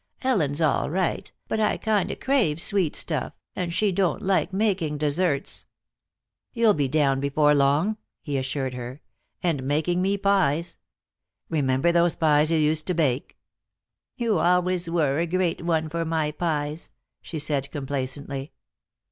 Ellen's all right, but I kind o' crave sweet stuff, and she don't like making desserts." "You'll be down before long," he assured her. "And making me pies. Remember those pies you used to bake?" "You always were a great one for my pies," she said, complacently.